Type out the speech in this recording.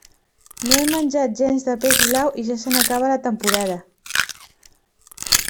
No he menjat gens de peix blau i ja se n'acaba la temporada.